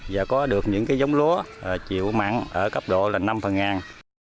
và có được những cái giống lúa chịu mặn ở cấp độ là năm phần ngàn